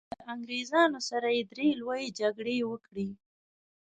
له انګریزانو سره یې درې لويې جګړې وکړې.